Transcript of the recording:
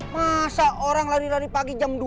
masa orang lari lari pagi jam dua